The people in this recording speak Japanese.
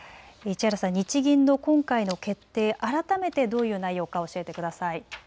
日銀の今回の決定、改めてどういう内容か教えてください。